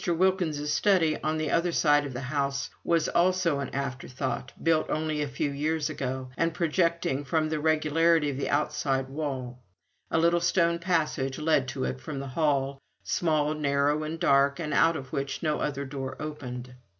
Wilkins's study, on the other side of the house, was also an afterthought, built only a few years ago, and projecting from the regularity of the outside wall; a little stone passage led to it from the hall, small, narrow, and dark, and out of which no other door opened.